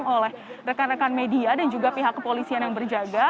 oleh rekan rekan media dan juga pihak kepolisian yang berjaga